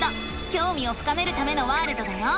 きょうみを深めるためのワールドだよ！